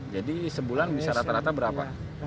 jadi sebulan bisa rata rata berapa